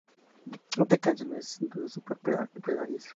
Esta canción es sin duda súper pegadiza"".